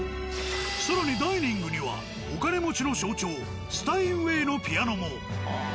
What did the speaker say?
更にダイニングにはお金持ちの象徴スタインウェイのピアノも。